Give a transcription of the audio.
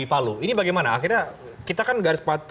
palu ini bagaimana akhirnya kita kan gak harus